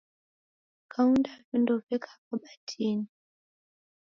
Kaunda vindo veka kabatini